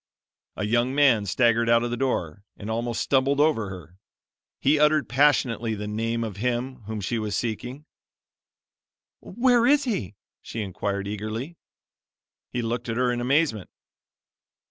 A young man staggered out of the door, and almost stumbled over her. He uttered passionately the name of Him whom she was seeking. "Where is He?" she inquired eagerly. He looked at her in amazement.